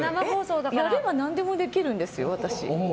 やれば何でもできるんですよ、私。